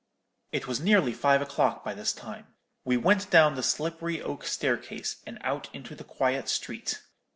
"It was nearly five o'clock by this time. We went down the slippery oak staircase, and out into the quiet street.